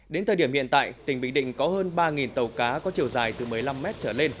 đến thời điểm hiện tại tỉnh bình định có hơn ba tàu cá có chiều dài từ một mươi năm mét trở lên